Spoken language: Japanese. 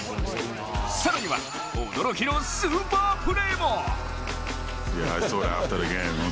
更には、驚きのスーパープレーも。